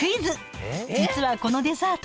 実はこのデザート